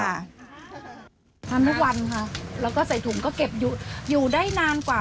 ทำทุกวันค่ะแล้วก็ใส่ถุงก็เก็บอยู่ได้นานกว่า